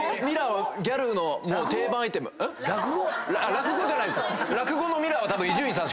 落語じゃないです。